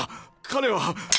⁉彼は。